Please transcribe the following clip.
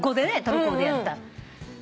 トルコでやった。